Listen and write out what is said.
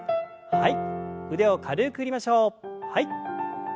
はい。